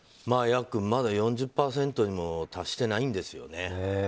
ヤックン、まだ４０％にも達していないんですよね。